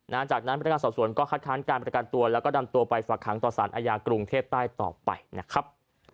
แล้วก็ดำตัวไปฝากหางต่อสารอายากรุงเทพใต้ต่อไปนะครับ